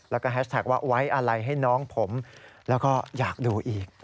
แล้วก็แฮชแท็กว่าไว้อะไรให้น้องผมแล้วก็อยากดูอีก